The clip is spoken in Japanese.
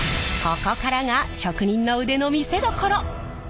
ここからが職人の腕の見せどころ！